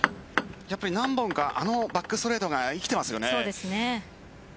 何本か、あのバックストレートが生きていますよね。